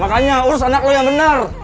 makanya urus anak lo yang benar